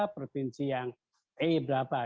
provinsi yang e berapa